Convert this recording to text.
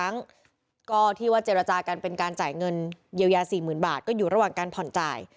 เงินเยียวยา๔๐๐๐๐บาทก็อยู่ระหว่างการผ่อนจ่าย